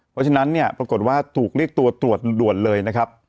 เพราะฉะนั้นเนี่ยปรากฏว่าถูกเรียกตัวตรวจด่วนเลยนะครับ